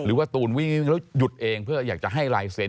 จริงว่าตูนวิ่งงานแล้วหยุดเองเพื่ออยากจะให้ลายเซ็น